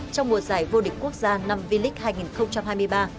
trong mùa giải vô địch quốc gia năm v league hai nghìn hai mươi ba